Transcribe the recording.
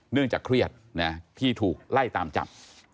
เนื่องจากเครียดนะที่ถูกไล่ตามจับ